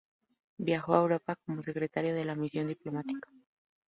Viajó a Europa como Secretario de la Misión Diplomática.